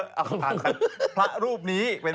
แล้วมีลูกสาวเลยเป็นตุ๊ดขึ้นทุกวัน